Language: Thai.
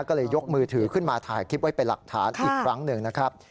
ก็เลยยกมือถือขึ้นมาถ่ายคลิปไว้เป็นหลักฐานอีกครั้งหนึ่งนะครับ